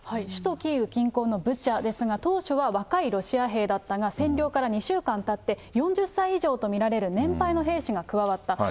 首都キーウ近郊のブチャですが、当初は若いロシア兵だったが、占領から２週間たって、４０歳以上と見られる年配の兵士が加わった。